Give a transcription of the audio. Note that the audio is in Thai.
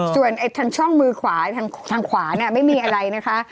ส่วนทางช่องมือขวาทางขวาเนี่ยไม่มีอะไรนะคะ